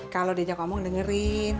kalo diajak omong dengerin